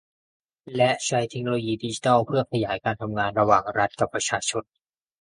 และใช้เทคโนโลยีดิจิทัลเพื่อขยายการทำงานระหว่างรัฐกับประชาชน